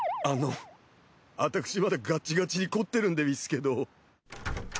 あの私まだガッチガチにこってるんでうぃすけど。